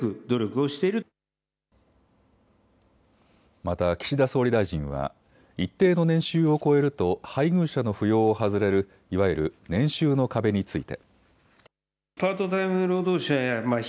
また岸田総理大臣は一定の年収を超えると配偶者の扶養を外れるいわゆる年収の壁について。